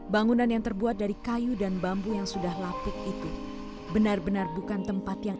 bangunan yang terbuat dari kayu dan bambu yang sudah lapik itu benar benar bukan tempat yang